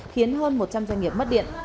khiến hơn một trăm linh doanh nghiệp mất điện